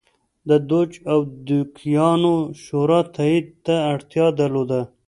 د دوج او دوکیانو شورا تایید ته اړتیا درلوده